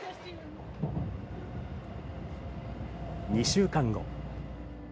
２週間後。